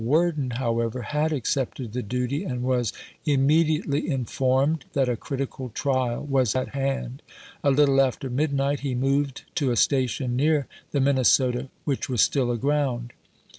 Worden, however, v."">iJ."* had accepted the duty, and was immediately in vaii Brunt fomicd that a critical trial was at hand. A little Mim^i'/io." after midnight he moved to a station near the Minne ihhui. 18. sofa, which was still aground.